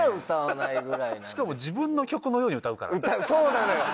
しかも自分の曲のように歌うからね。